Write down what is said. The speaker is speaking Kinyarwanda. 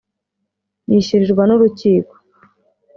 yishyurirwa n’urukiko